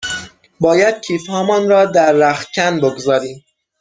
باید کیف هامان را در رختکن بگذاریم.